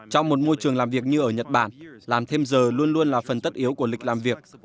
trong một môi trường làm việc như ở nhật bản làm thêm giờ luôn luôn là phần tất yếu của lịch làm việc